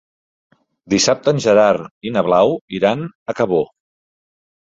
Dissabte en Gerard i na Blau iran a Cabó.